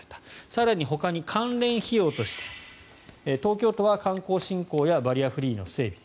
更にほかに関連費用として東京都は観光振興やバリアフリーの整備